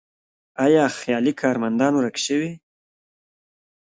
آیا خیالي کارمندان ورک شوي؟